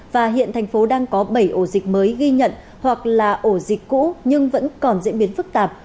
và hiện thành phố đang có bảy ổ dịch mới ghi nhận hoặc là ổ dịch cũ nhưng vẫn còn diễn biến phức tạp